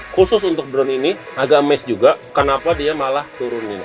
khusus untuk drone ini agak miss juga kenapa dia malah turunin